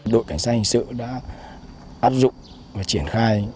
đội cảnh sát hình sự đã áp dụng và triển khai